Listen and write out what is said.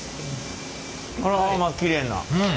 あらまあきれいな。